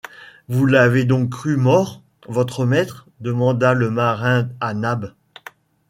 Vous l’avez donc cru mort, votre maître ? demanda le marin à Nab